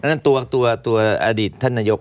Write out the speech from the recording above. อันนั้นตัวอดีตท่านนโยค